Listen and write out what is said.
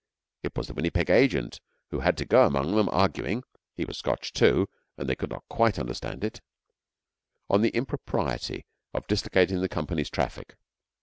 It was the Winnipeg agent who had to go among them arguing (he was Scotch too, and they could not quite understand it) on the impropriety of dislocating the company's traffic.